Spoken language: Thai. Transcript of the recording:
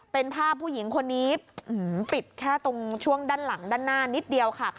เป็นภาพผู้หญิงคนนี้ปิดแค่ตรงช่วงด้านหลังด้านหน้านิดเดียวค่ะ